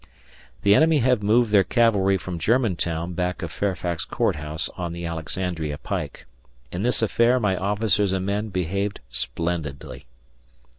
The enemy have moved their cavalry from Germantown back of Fairfax Court House on the Alexandria pike. In this affair my officers and men behaved splendidly.